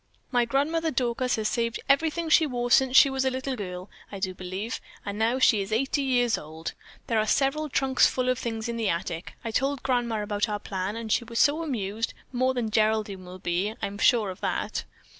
"My Grandmother Dorcas has saved everything she wore since she was a little girl, I do believe, and now she is eighty years old. There are several trunks full of things in the attic. I told Grandma about our plan, and she was so amused, more than Geraldine will be, I'm sure of that.